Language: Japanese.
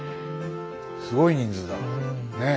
すごい人数だ。ねえ。